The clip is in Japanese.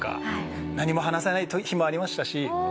何も話さない日もありましたし。